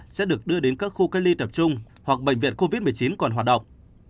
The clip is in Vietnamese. sẽ được đưa đến các khu cách ly tập trung hoặc bệnh viện covid một mươi chín còn hoạt động